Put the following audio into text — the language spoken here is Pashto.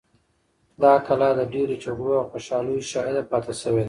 دا کلا د ډېرو جګړو او خوشحالیو شاهده پاتې شوې ده.